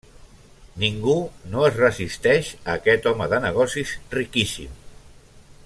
Ningú no es resisteix a aquest home de negocis riquíssim.